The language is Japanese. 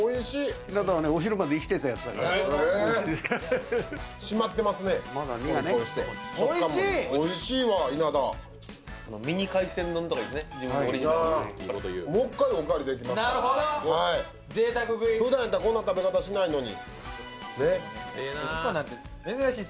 ふだんやったら、こんな食べ方しないのに。